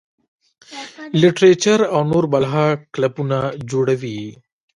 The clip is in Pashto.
لټرېچر او نور بلها کلبونه جوړ وي -